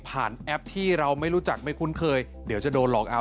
แอปที่เราไม่รู้จักไม่คุ้นเคยเดี๋ยวจะโดนหลอกเอา